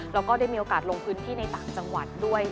แล้วก็ได้มีโอกาสลงพื้นที่ในต่างจังหวัดด้วย